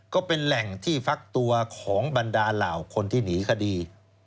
ก็เป็นแหล่งที่ฟักตัวของบรรดาเหล่าคนที่หนีคดี